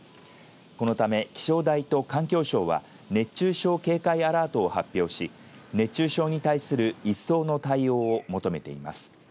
このため気象台と環境省は熱中症警戒アラートを発表し熱中症に対する一層の対応を求めています。